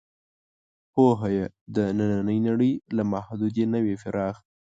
پوهه یې د نننۍ نړۍ له محدودې نه وي پراخ.